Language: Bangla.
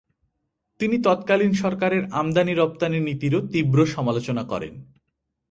তিনি তৎকালীন সরকারের আমদানি-রপ্তানি নীতিরও তীব্র সমালোচনা করেন ।